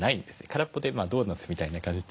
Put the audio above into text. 空っぽでドーナツみたいな感じで。